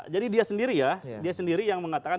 jadi dia sendiri ya dia sendiri yang mengatakan